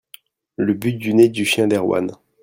Le but du nez du chien d'Erwan.